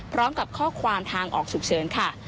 พร้อมกับข้อความทางออกฉุกเฉินค่ะ